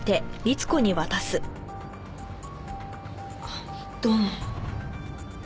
あっどうも。